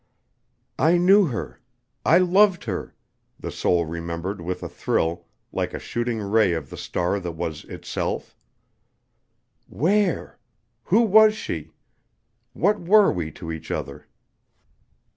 "I knew her. I loved her," the soul remembered with a thrill, like a shooting ray of the star that was itself. "Where? Who was she? What were we to each other?"